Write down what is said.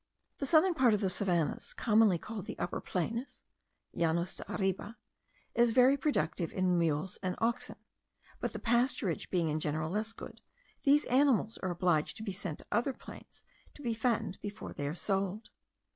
The southern part of the savannahs, commonly called the Upper Plains (Llanos de arriba), is very productive in mules and oxen; but the pasturage being in general less good, these animals are obliged to be sent to other plains to be fattened before they are sold.